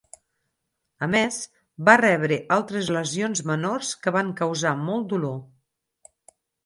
A més, va rebre altres lesions menors que van causar molt dolor.